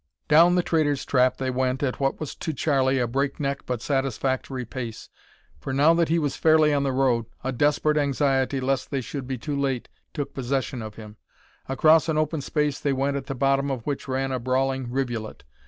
Down the Traitor's Trap they went at what was to Charlie a break neck but satisfactory pace, for now that he was fairly on the road a desperate anxiety lest they should be too late took possession of him. Across an open space they went at the bottom of which ran a brawling rivulet.